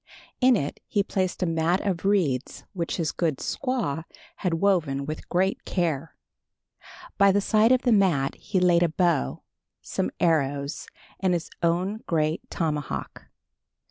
In it he placed a mat of reeds which his good squaw had woven with great care. By the side of the mat he laid a bow, some arrows and his own great tomahawk.